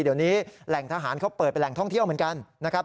เดี๋ยวนี้แหล่งทหารเขาเปิดเป็นแหล่งท่องเที่ยวเหมือนกันนะครับ